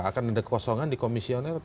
akan ada kekosongan di komisioner